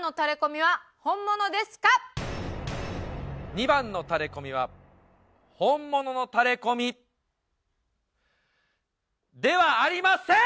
２番のタレコミは本物のタレコミではありません。